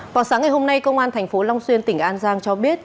vào sáng ngày hôm nay công an tp long xuyên tỉnh an giang cho biết